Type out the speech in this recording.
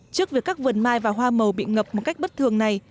trước việc các vườn mai và hoa màu bị ngập một cách bất thường này